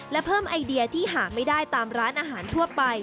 และเพิ่มไอเดียที่หาไม่ได้ตามร้านอาหารทั่วไป